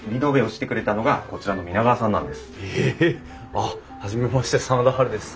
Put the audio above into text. あっ初めまして真田ハルです。